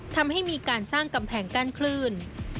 ทำให้มีการสร้างกำแพงกั้นคลื่น